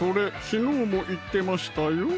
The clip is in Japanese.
昨日も言ってましたよ